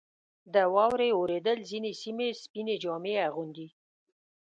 • د واورې اورېدل ځینې سیمې سپینې جامې اغوندي.